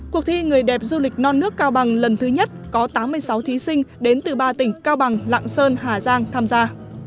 cuộc thi người đẹp du lịch non nước cao bằng lần thứ nhất có tám mươi sáu thí sinh đến từ ba tỉnh cao bằng lạng sơn hà giang tham gia